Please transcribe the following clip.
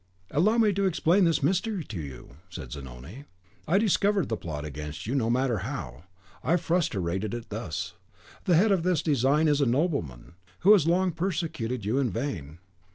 "Allow me to explain this mystery to you," said Zanoni. "I discovered the plot against you, no matter how; I frustrated it thus: The head of this design is a nobleman, who has long persecuted you in vain.